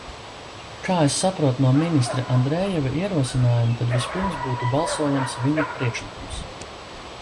Kā es sapratu no ministra Andrejeva ierosinājuma, tad vispirms būtu balsojams viņa priekšlikums.